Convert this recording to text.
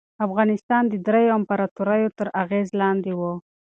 افغانستان د دریو امپراطوریو تر اغېز لاندې و.